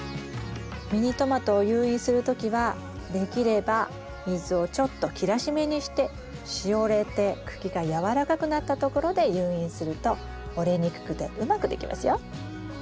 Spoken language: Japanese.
ミニトマトを誘引する時はできれば水をちょっと切らしめにしてしおれて茎がやわらかくなったところで誘引すると折れにくくてうまくできますよ。